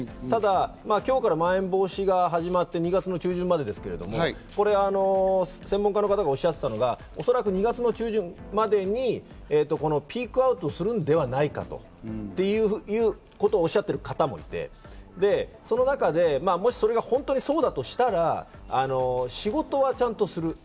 ただ今日からまん延防止が始まって２月の中旬までですけど、専門家の方がおっしゃっていたのは、おそらく２月の中旬までにピークアウトするんではないかということをおっしゃっている方もいてその中でもしこれが本当にそうだとしたら、仕事はちゃんとする。